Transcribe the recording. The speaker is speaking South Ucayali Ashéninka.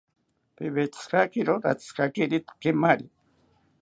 Piwetzikakiro ratzikakiro kemari